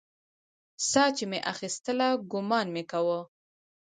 ساه چې مې اخيستله ګومان مې کاوه.